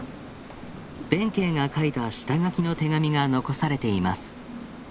弁慶が書いた下書きの手紙が残されています。